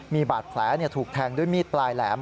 มีบาดแผลถูกแทงด้วยมีดปลายแหลม